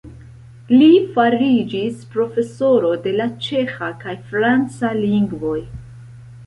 Li fariĝis profesoro de la ĉeĥa kaj franca lingvoj.